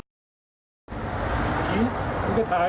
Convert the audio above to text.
ไม่ใช่ได้แบบเนี้ย